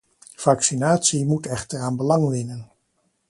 Vaccinatie moet echter aan belang winnen.